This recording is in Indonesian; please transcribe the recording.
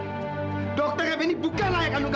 kau algarva bukanlah anak padil